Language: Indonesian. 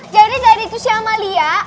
jadi tadi itu si amalia